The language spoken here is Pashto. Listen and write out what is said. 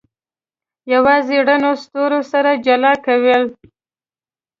یوازې رڼو ستورو سره جلا کول.